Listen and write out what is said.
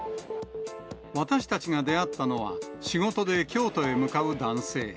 私たちが出会ったのは、仕事で京都へ向かう男性。